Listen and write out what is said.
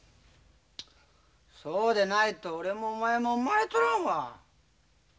そうでないと俺もお前も生まれとらんわ。